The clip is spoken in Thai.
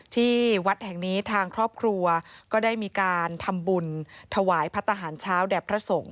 ที่วัดแห่งนี้ทางครอบครัวก็ได้มีการทำบุญถวายพระทหารเช้าแด่พระสงฆ